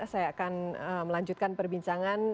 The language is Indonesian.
saya akan melanjutkan perbincangan